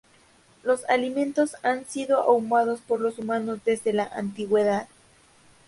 Los alimentos han sido ahumados por los humanos desde la antigüedad.